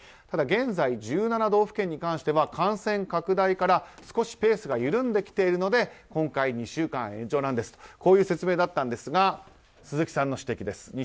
ただ、現在１７道府県に関しては感染拡大から少しペースが緩んできているので今回２週間延長なんですという説明なんですが鈴木さんの指摘です。